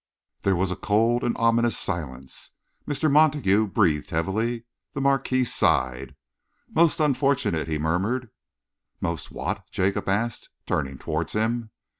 There was a cold and ominous silence. Mr. Montague breathed heavily. The Marquis sighed. "Most unfortunate!" he murmured. "Most what?" Jacob asked, turning towards him.